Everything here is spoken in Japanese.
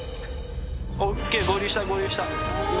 ＯＫ合流した合流した。